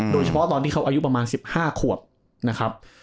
โดยเฉพาะเมื่อเขาอายุภูมิประมาณ๑๕ขวด